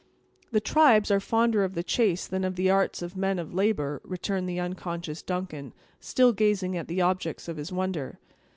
"The tribes are fonder of the chase than of the arts of men of labor," returned the unconscious Duncan, still gazing at the objects of his wonder.